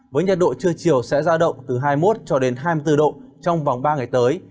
với nhiệt độ trưa chiều sẽ ra động từ hai mươi một cho đến hai mươi bốn độ trong vòng ba ngày tới